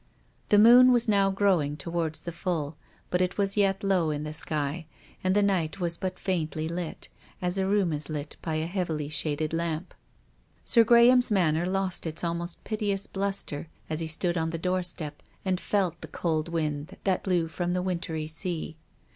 The moon was now growing towards the full, but it was yet low in the sky, and the night was but faintly lit, as a room is lit by a heavily shaded lamp. Sir Graham's manner lost its almost pite ous bluster as he stood on the doorstep and felt the cold wind that blew from the wintry sea.